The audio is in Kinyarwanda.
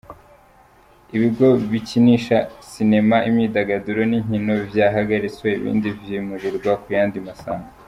Ibigo bikinisha cinema, imyidagaduro n’inkino vyahagaritswe ibindi vyimurirwa ku yandi masango.